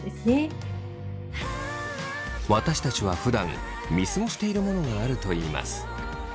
私たちはふだん見過ごしているものがあるといいます。